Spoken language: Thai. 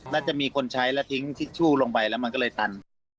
น่าจะมีคนใช้แล้วทิ้งทิชชู่ลงไปแล้วมันก็เลยตัน